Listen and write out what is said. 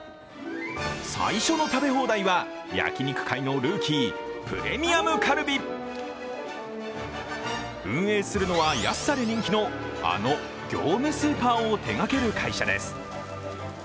最初の食べ放題は、焼き肉界のルーキー、プレミアムカルビ。運営するのは安さで人気のあの業務スーパーを手がける会社です。